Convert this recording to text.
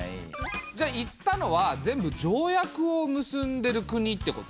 じゃあ行ったのは全部条約を結んでる国ってこと？